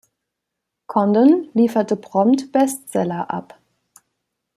Condon lieferte prompt Bestseller ab.